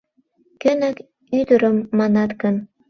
Кӧнак ӱдырым манат гын